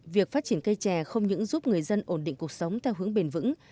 việc phát triển cây chè không những giúp người dân ổn định cuộc sống theo hướng bền vững